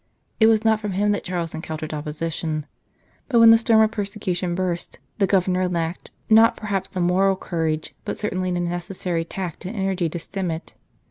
It was not from him that Charles encountered opposition ; but when the storm of persecution burst the Governor lacked, not perhaps the moral courage, but certainly the necessary tact and energy to stem it.